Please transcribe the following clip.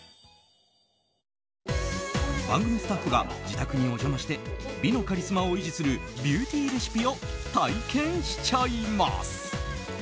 番組スタッフが自宅にお邪魔して美のカリスマを維持するビューティーレシピを体験しちゃいます。